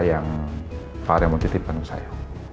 yang pak raymond titipkan ke saya